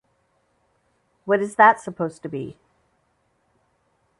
What is that supposed to be?